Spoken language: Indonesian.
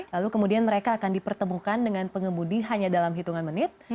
lalu kemudian mereka akan dipertemukan dengan pengemudi hanya dalam hitungan menit